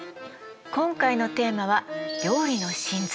今回のテーマは「料理の神髄」。